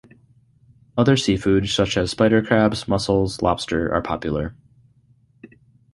Other seafood such as spider crabs, mussels, lobster are popular.